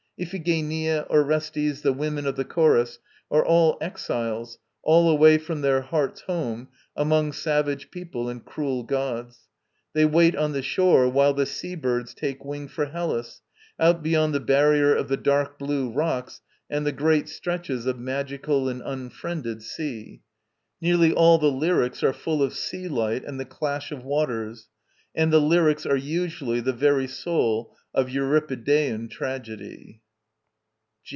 Iphigenia, Orestes, the Women of the Chorus, are all exiles, all away from their heart's home, among savage people and cruel gods. They wait on the shore while the sea birds take wing for Hellas, out beyond the barrier of the Dark Blue Rocks and the great stretches of magical and 'unfriended' sea. Nearly all the lyrics are full of sea light and the clash of waters, and the lyrics are usually the very soul of Euripidean tragedy.